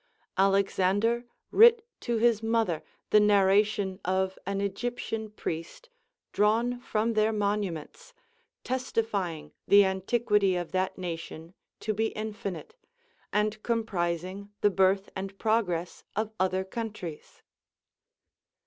Alexander writ to his mother the narration of an Egyptian priest, drawn from their monuments, testifying the antiquity of that nation to be infinite, and comprising the birth and progress of other countries.